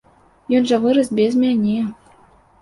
Ён жа вырас без мяне.